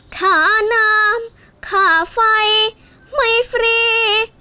ค่าน้ำค่าไฟไม่ฟรี